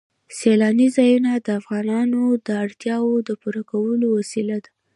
سیلانی ځایونه د افغانانو د اړتیاوو د پوره کولو وسیله ده.